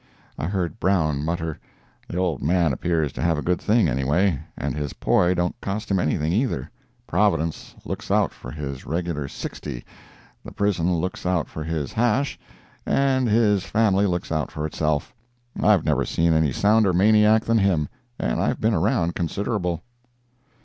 I heard Brown mutter, "The old man appears to have a good thing, anyway—and his poi don't cost him anything, either; Providence looks out for his regular sixty, the prison looks out for his hash, and his family looks out for itself. I've never seen any sounder maniac than him, and I've been around considerable."